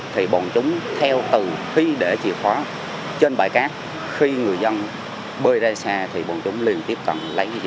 thì chúng lợi dụng tiếp cận